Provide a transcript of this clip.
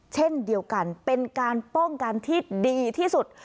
เช่นเดียวกันเป็นการป้องกันที่ดีที่สุด